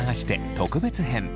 特別編。